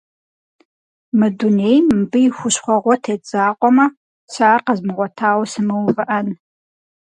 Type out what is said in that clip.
Мы дунейм мыбы и хущхъуэгъуэ тет закъуэмэ, сэ ар къэзмыгъуэтауэ сымыувыӏэн.